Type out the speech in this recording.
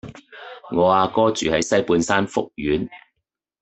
我阿哥住喺西半山福苑